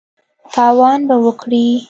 تاوان به وکړې !